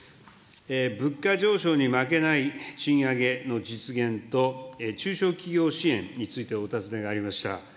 物価上昇に負けない賃上げの実現と、中小企業支援についてお尋ねがありました。